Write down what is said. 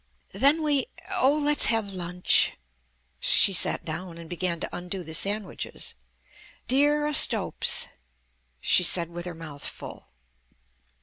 "Then we Oh, let's have lunch." She sat down and began to undo the sandwiches. "Dear o' Stopes," she said with her mouth full.